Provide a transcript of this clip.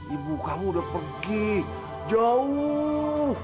ibu kamu udah pergi jauh